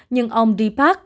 nhưng ông d park